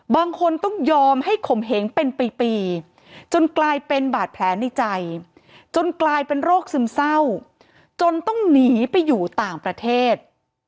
บางคนต้องยอมให้ข่มเหงเป็นปีจนกลายเป็นบาดแผลในใจจนกลายเป็นโรคซึมเศร้าจนต้องหนีไปอยู่ต่างประเทศ